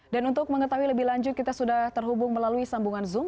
dan untuk mengetahui lebih lanjut kita sudah terhubung melalui sambungan zoom